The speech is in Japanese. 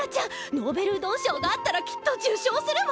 ノーベルうどん賞があったらきっと受賞するわ。